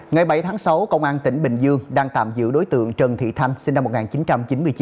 ngày bảy tháng sáu công an tỉnh bình dương đang tạm giữ đối tượng trần thị thanh sinh năm một nghìn chín trăm chín mươi chín